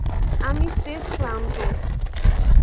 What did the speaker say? আমি স্রেফ ক্লান্ত।